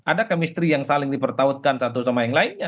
ada kemistri yang saling dipertautkan satu sama yang lainnya